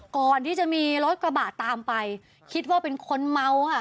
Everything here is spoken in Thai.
ก่อนที่จะมีรถกระบะตามไปคิดว่าเป็นคนเมาค่ะ